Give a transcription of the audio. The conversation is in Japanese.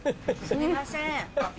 すみませんあの。